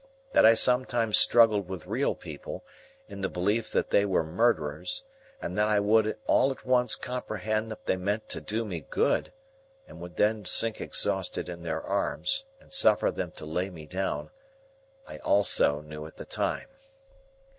That I sometimes struggled with real people, in the belief that they were murderers, and that I would all at once comprehend that they meant to do me good, and would then sink exhausted in their arms, and suffer them to lay me down, I also knew at the time.